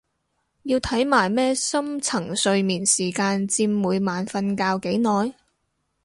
要睇埋咩深層睡眠時間佔每晚瞓覺幾耐？